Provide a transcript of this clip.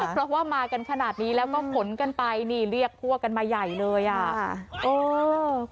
เพราะว่ามากันขนาดนี้แลัวก็ผลกันไปนี่เรียกพวกกันมาใหญ่เลยคุณผู้ชมคลิบนี้เกิดขึ้นที่เมืองโรคปุรีค่ะ